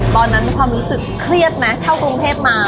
ตอนนั้นความรู้สึกเครียดไหมเท่ากรุงเทพมา